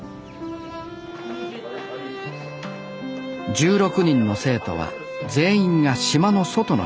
１６人の生徒は全員が島の外の出身。